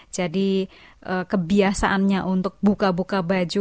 jadi kebiasaannya untuk buka buka baju